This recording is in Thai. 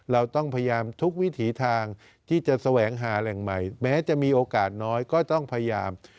เราต้องพยายามทุกวิถีทางที่จะแสวงหาแหล่งใหม่แม้จะมีโอกาสน้อยก็ต้องพยายาม